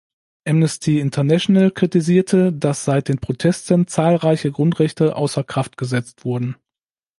Amnesty International kritisierte, dass seit den Protesten zahlreiche Grundrechte außer Kraft gesetzt wurden.